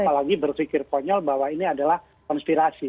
apalagi berpikir konyol bahwa ini adalah konspirasi